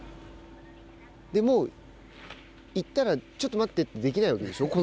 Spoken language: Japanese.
でも行ったらちょっと待ってってできないわけでしょう。